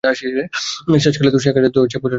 শেষকালে তো এসে পৌঁছলে আমার জীবনে।